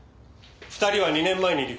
２人は２年前に離婚。